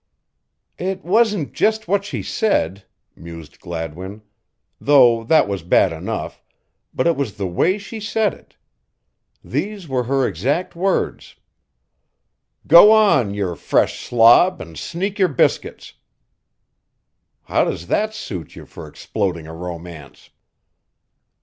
"It wasn't just what she said," mused Gladwin, "though that was bad enough, but it was the way she said it. These were her exact words, 'Go on, yer fresh slob, an' sneak yer biscuits!' How does that suit you for exploding a romance?"